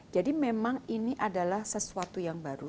jadi memang ini adalah sesuatu yang baru